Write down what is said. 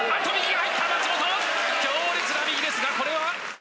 強烈な右ですがこれは。